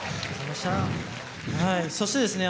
そしてですね